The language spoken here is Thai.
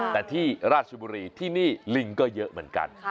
แต่ที่ราชบุรีที่นี่ลิงก็เยอะเหมือนกัน